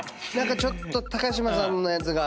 ちょっと嶋さんのやつが。